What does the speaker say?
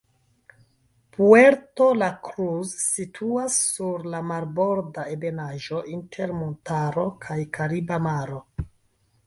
Puerto la Cruz situas sur la marborda ebenaĵo inter montaro kaj Kariba Maro.